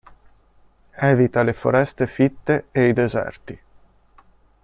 Evita le foreste fitte e i deserti.